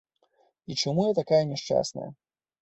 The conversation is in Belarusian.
І чаму я такая няшчасная?